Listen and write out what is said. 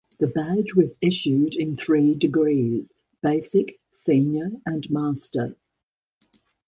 The badge was issued in three degrees: Basic, Senior, and Master.